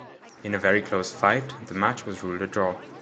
In a very close fight, the match was ruled a draw.